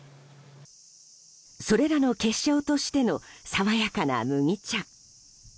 それらの結晶としての爽やかな麦茶。